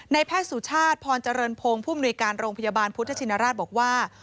แพทย์สุชาติพรเจริญพงศ์ผู้มนุยการโรงพยาบาลพุทธชินราชบอกว่า